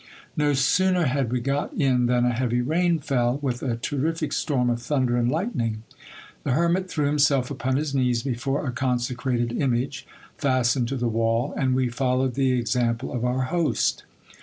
No sooner had we got in than a heavy rain fell, with a terrific storm of thun der and lightning. The hermit threw himself upon his knees before a consecrated image, fastened to the wall, and we followed the example of our host.